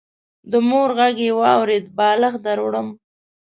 د مور غږ يې واورېد: بالښت دروړم.